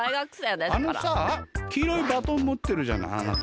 あのさきいろいバトンもってるじゃないあなた。